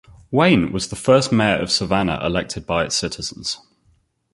Wayne was the first mayor of Savannah elected by its citizens.